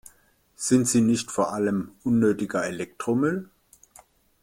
Sind sie nicht vor allem unnötiger Elektromüll?